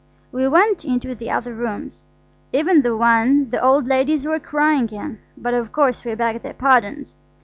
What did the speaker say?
We went into the other rooms, even the one the old ladies were crying in, but of course we begged their pardons.